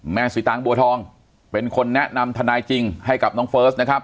สีตางบัวทองเป็นคนแนะนำทนายจริงให้กับน้องเฟิร์สนะครับ